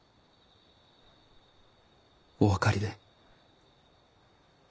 お分かりで。